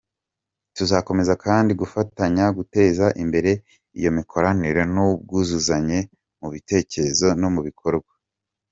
Tuzakomeza kandi gufatanya guteza imbere iyo mikoranire n’ubwuzuzanye mu bitekerezo no mu bikorwa.